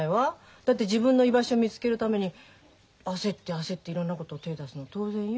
だって自分の居場所見つけるために焦って焦っていろんなこと手出すの当然よ。